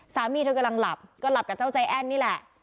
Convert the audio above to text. สามีเธอกำลังหลับก็หลับกับเจ้าใจแอ้นนี่แหละ